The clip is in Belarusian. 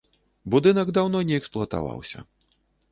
Будынак даўно не эксплуатаваўся.